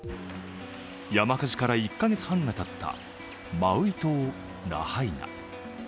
山火事から１か月半がたったマウイ島ラハイナ。